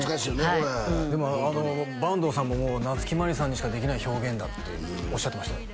これでも坂東さんも夏木マリさんにしかできない表現だっておっしゃってましたよ